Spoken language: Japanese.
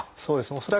そうですね。